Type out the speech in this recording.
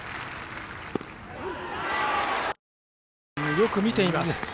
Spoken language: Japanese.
よく見ています。